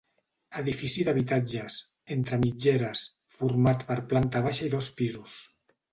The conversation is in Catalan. Edifici d'habitatges, entre mitgeres, format per planta baixa i dos pisos.